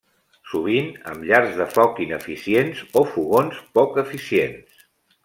Sovint amb llars de foc ineficients o fogons poc eficients.